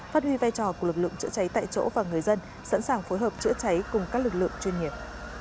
phát huy vai trò của lực lượng chữa cháy tại chỗ và người dân sẵn sàng phối hợp chữa cháy cùng các lực lượng chuyên nghiệp